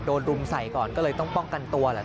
รุมใส่ก่อนก็เลยต้องป้องกันตัวแหละ